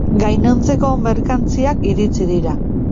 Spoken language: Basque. Gainontzeko merkantziak iritsi dira.